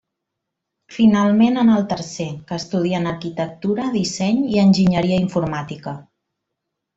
Finalment, en el tercer, que estudien Arquitectura, Disseny i Enginyeria Informàtica.